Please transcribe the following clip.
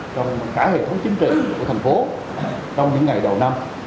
trong cả hệ thống chính trị của thành phố trong những ngày đầu năm